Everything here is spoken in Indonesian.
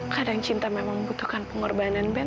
kadang cinta memang membutuhkan pengorbanan